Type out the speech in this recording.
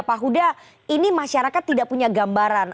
pak huda ini masyarakat tidak punya gambaran